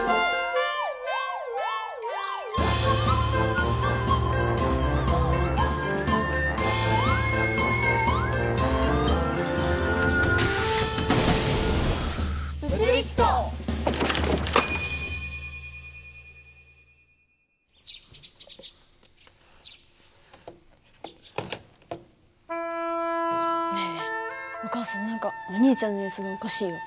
ねえお母さん何かお兄ちゃんの様子がおかしいよ。